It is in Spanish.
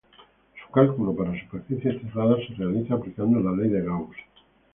Su cálculo para superficies cerradas se realiza aplicando la ley de Gauss.